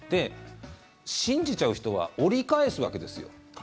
信じちゃう人は折り返すわけですよ